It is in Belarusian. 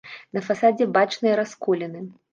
На фасадзе бачныя расколіны.